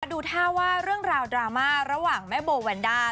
ดูท่าว่าเรื่องราวดราม่าระหว่างแม่โบแวนด้า